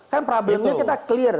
kan problemnya kita clear